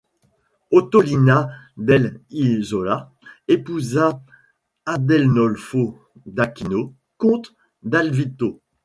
Ottolina dell'Isola, épousa Adenolfo d'Aquino, comte d'Alvito.